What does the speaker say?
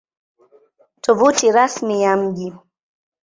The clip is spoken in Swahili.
Tovuti Rasmi ya Mji